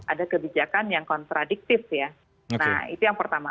ada kebijakan yang kontradiktif ya nah itu yang pertama